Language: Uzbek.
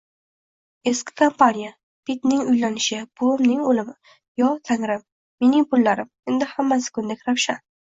Eski kompaniya! Pitning uylanishi! Buvimning oʻlimi! Yo Tangrim! Mening pullarim! Endi hammasi kundek ravshan.